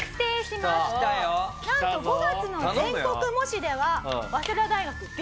なんと５月の全国模試では早稲田大学Ｄ判定。